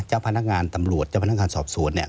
เจ้าพนักงานตำรวจเจ้าพนักงานสอบสวนเนี่ย